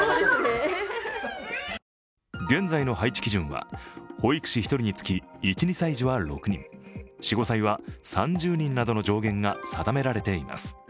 現在の配置基準は保育士１人につき１・２歳児は６人、４・５歳は３０人などの上限が定められています。